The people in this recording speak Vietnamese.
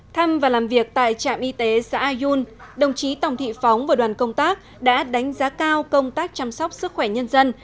thăm và làm việc tại trạm y tế xã ayun đồng chí tòng thị phóng và đoàn công tác đã đánh giá cao công tác chăm sóc sức khỏe nhân dân